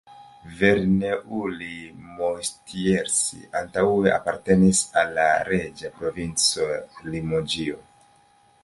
Verneuil-Moustiers antaŭe apartenis al la reĝa provinco Limoĝio.